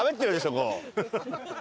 こう。